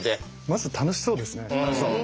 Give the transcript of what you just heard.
まず楽しそうですね。